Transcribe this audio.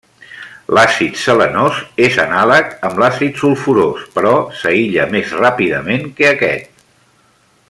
L'àcid selenós és anàleg amb l'àcid sulfurós, però s'aïlla més ràpidament que aquest.